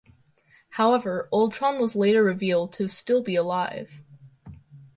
However, Ultron was later revealed to still be alive.